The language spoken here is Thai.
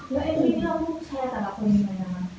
แล้วเอ็มมี่เลือกลูกแชร์แต่ละคนอย่างไรคะ